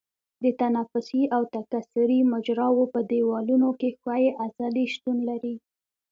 د تنفسي او تکثري مجراوو په دیوالونو کې ښویې عضلې شتون لري.